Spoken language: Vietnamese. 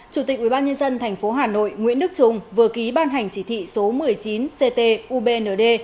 chủ tịch ubnd tp hà nội nguyễn đức trung vừa ký ban hành chỉ thị số một mươi chín ctubnd